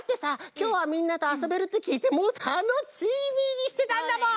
きょうはみんなとあそべるってきいてもうタノチーミーにしてたんだもん。